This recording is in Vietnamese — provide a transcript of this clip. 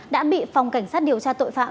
đã bị phòng cảnh sát điều tra tội phạm